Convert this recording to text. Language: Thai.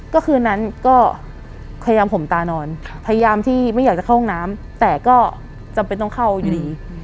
ก็คืนนั้นก็พยายามห่มตานอนพยายามที่ไม่อยากจะเข้าห้องน้ำแต่ก็จำเป็นต้องเข้าอยู่ดี